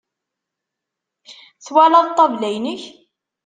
Twalaḍ ṭṭabla-inek?